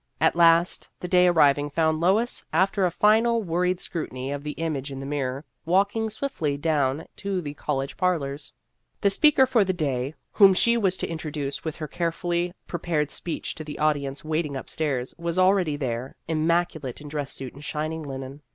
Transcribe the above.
At last, the day arriving found Lois, after a final worried scrutiny of the image in the mirror, walking swiftly down to the college parlors. The speaker for the day, whom she was to introduce with her carefully prepared speech to the audience waiting upstairs, was already there, im maculate in dress suit and shining linen.